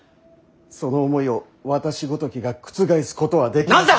その思いを私ごときが覆すことはできません。